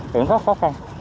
thì nó rất khó khăn